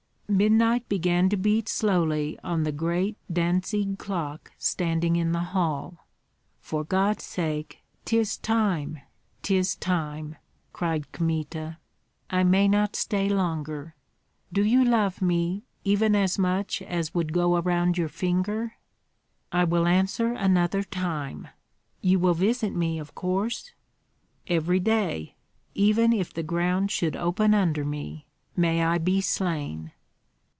Midnight began to beat slowly on the great Dantzig clock standing in the hall. "For God's sake! 'tis time, 'tis time!" cried Kmita. "I may not stay longer. Do you love me, even as much as would go around your finger?" "I will answer another time. You will visit me, of course?" "Every day, even if the ground should open under me! May I be slain!"